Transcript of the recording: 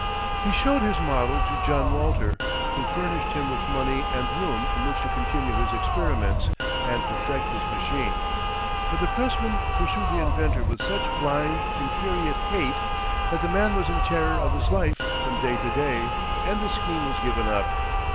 He showed his model to John Walter, who furnished him with money and room in which to continue his experiments, and perfect his machine. But the pressmen pursued the inventor with such blind, infuriate hate, that the man was in terror of his life from day to day, and the scheme was given up.